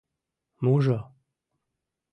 Мужо!